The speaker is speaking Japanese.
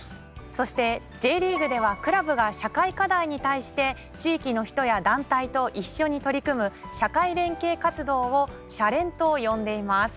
そしてＪリーグではクラブが社会課題に対して地域の人や団体と一緒に取り組む社会連携活動を「シャレン！」と呼んでいます。